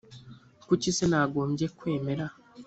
kuki se nagombye kwemera